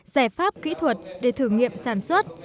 giải pháp kỹ thuật để thử nghiệm sản xuất